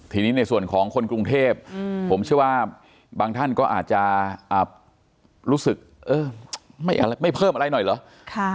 ทีนี้ในส่วนของคนกรุงเทพผมเชื่อว่าบางท่านก็อาจจะรู้สึกไม่เพิ่มอะไรหน่อยเหรอ